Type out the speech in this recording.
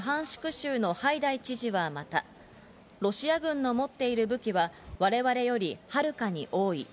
州のハイダイ知事は、また、ロシア軍の持っている武器は我々よりはるかに多い。